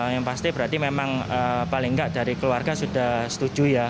yang pasti berarti memang paling nggak dari keluarga sudah setuju ya